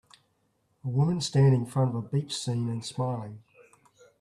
A woman standing in front of a beach scene and smiling.